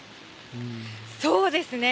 そうですね。